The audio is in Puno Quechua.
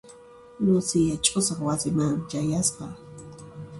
Lucia ch'usaq wasimanmi chayasqa.